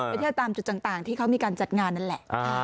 ไปเที่ยวตามจุดต่างที่เขามีการจัดงานนั่นแหละ